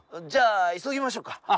じゃあ急ぎましょうか。